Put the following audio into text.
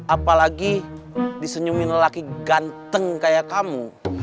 apalagi disenyumin lelaki ganteng kayak kamu